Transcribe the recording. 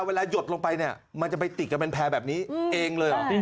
เวลาหยดลงไปเนี่ยมันจะไปติดกับแผลแบบนี้เองเลยเหรอ